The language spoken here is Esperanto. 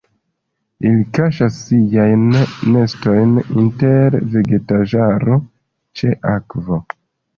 Ili kaŝas siajn nestojn inter vegetaĵaro ĉe akvo.